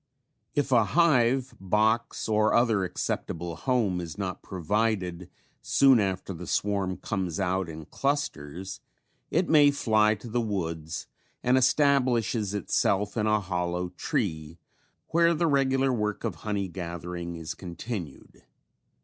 If a hive, box or other acceptable home is not provided soon after the swarm comes out and clusters, it may fly to the woods and establishes itself in a hollow tree where the regular work of honey gathering is continued.